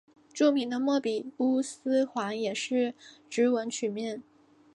著名的莫比乌斯环也是直纹曲面。